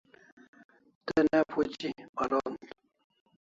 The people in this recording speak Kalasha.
Te ne phuchi paron